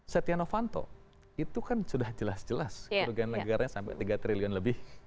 setia novanto itu kan sudah jelas jelas kerugian negaranya sampai tiga triliun lebih